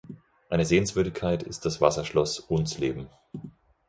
Eine Sehenswürdigkeit ist das Wasserschloss Unsleben.